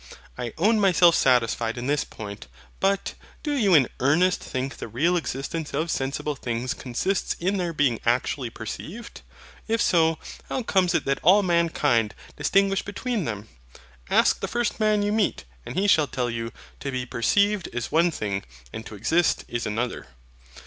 I own myself satisfied in this point. But, do you in earnest think the real existence of sensible things consists in their being actually perceived? If so; how comes it that all mankind distinguish between them? Ask the first man you meet, and he shall tell you, TO BE PERCEIVED is one thing, and TO EXIST is another.